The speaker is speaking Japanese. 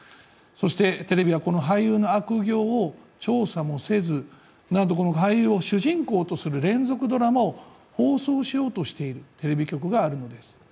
そしてテレビはこの悪行を調査もせず、なんとこの俳優を主人公とする連続ドラマを放送しようとしているテレビ局があるんです。